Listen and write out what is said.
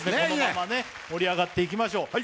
このまま盛り上がっていきましょう。